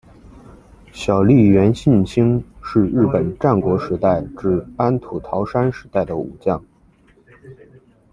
小笠原信兴是日本战国时代至安土桃山时代的武将。